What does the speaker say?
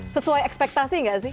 sesuai ekspektasi nggak sih